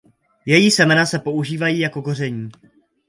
Její semena se používají jako koření.